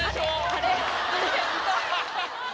あれ？